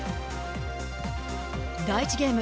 第１ゲーム。